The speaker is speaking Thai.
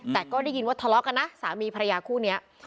แต่ก็ได้ยินว่าทะเลาะกันนะสามีภรรยาคู่นี้